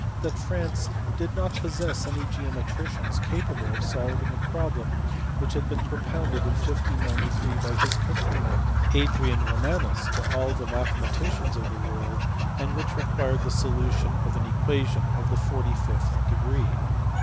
that France did not possess any geometricians capable of solving a problem which had been propounded in 1593 by his countryman Adrian Romanus (see above, p. 230) to all the mathematicians of the world and which required the solu tion of an equation of the 45th degree.